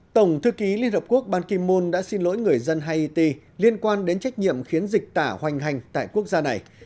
tổng thư ký liên hợp quốc ban kim môn đã xin lỗi người dân haiti liên quan đến trách nhiệm khiến dịch tả hoành hành tại quốc gia này